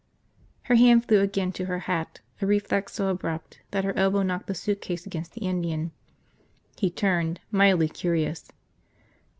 Her hand flew again to her hat, a reflex so abrupt that her elbow knocked the suitcase against the Indian. He turned, mildly curious.